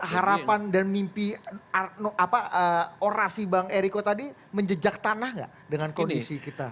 harapan dan mimpi orasi bang eriko tadi menjejak tanah nggak dengan kondisi kita